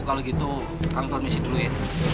kalau gitu kamu permisi dulu ya